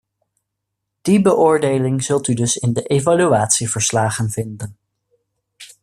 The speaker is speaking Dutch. Die beoordeling zult u dus in de evaluatieverslagen vinden.